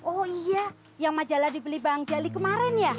oh iya yang majalah dibeli bang jali kemarin ya